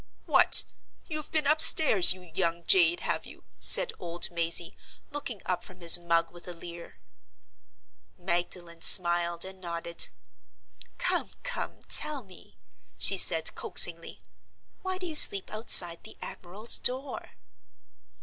"What! you have been upstairs, you young jade, have you?" said old Mazey, looking up from his mug with a leer. Magdalen smiled and nodded. "Come! come! tell me," she said, coaxingly. "Why do you sleep outside the admiral's door?"